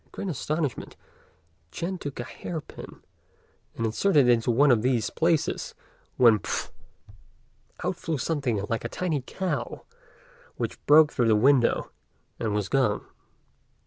In great astonishment Ch'ên took a hair pin, and inserted it into one of these places, when pff! out flew something like a tiny cow, which broke through the window, and was gone.